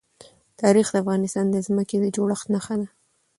تاریخ د افغانستان د ځمکې د جوړښت نښه ده.